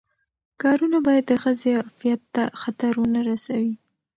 کارونه باید د ښځې عفت ته خطر ونه رسوي.